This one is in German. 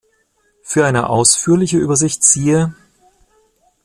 Für eine ausführliche Übersicht siehe